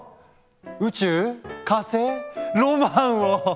宇宙火星ロマンを！